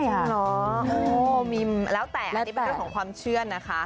เหรอมีแล้วแต่อันนี้เป็นเรื่องของความเชื่อนะคะ